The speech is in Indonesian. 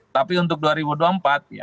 tapi untuk dua ribu dua puluh empat ya